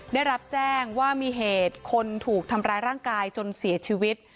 ได้รับแจ้งว่ามีเหตุคนถูกทำร้ายร่างกายจนเสียชีวิต